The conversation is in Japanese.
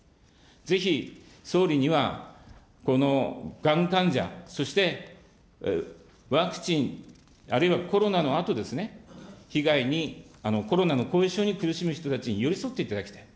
ぜひ、総理にはがん患者、そしてワクチン、あるいはコロナのあとですね、被害に、コロナの後遺症に苦しむ人たちに寄り添っていただきたい。